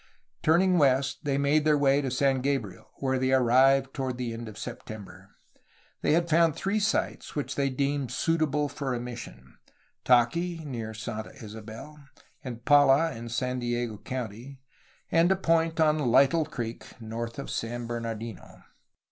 Turning west they made their way to San Gabriel, where they arrived toward the end of September. They had found three sites which they deemed suitable for a mission, Taqui (near Santa Isabel) and Pala in San Diego County, and a point on Lytle Creek north of San Bernardino.